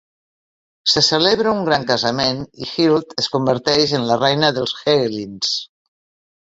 Se celebra un gran casament i Hilde es converteix en la reina dels Hegelings.